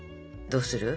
どうする？